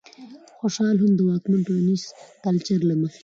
خوشال هم د واکمن ټولنيز کلچر له مخې